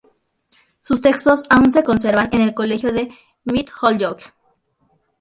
Sus textos aún se conservan en el Colegio de Mt. Holyoke.